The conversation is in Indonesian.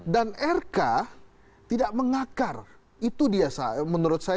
dan rk tidak mengakar itu dia menurut saya